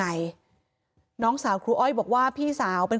มีเรื่องอะไรมาคุยกันรับได้ทุกอย่าง